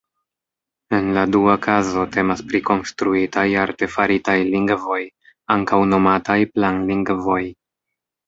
En la dua kazo temas pri konstruitaj, artefaritaj lingvoj, ankaŭ nomataj "planlingvoj".